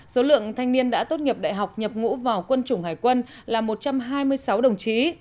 số lượng thanh niên đã tốt nghiệp đại học nhập ngũ vào quân chủng hải quân là một trăm hai mươi sáu đồng chí